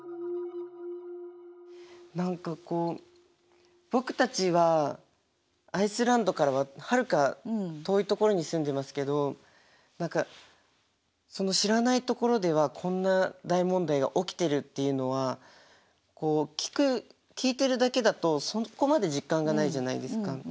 何かこう僕たちはアイスランドからははるか遠い所に住んでますけど知らない所ではこんな大問題が起きているっていうのは聞いてるだけだとそこまで実感がないじゃないですか。